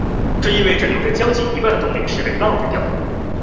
这意味者有将近一半的动力是被浪费掉的。